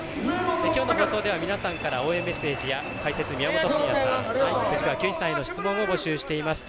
きょうの放送では皆さんからの応援メッセージや解説、宮本慎也さんや藤川球児さんへの質問を募集しています。